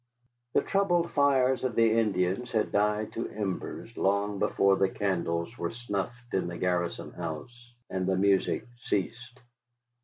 The troubled fires of the Indians had died to embers long before the candles were snuffed in the garrison house and the music ceased.